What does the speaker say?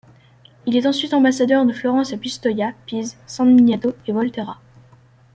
Il est ensuite ambassadeur de Florence à Pistoia, Pise, San Miniato et Volterra.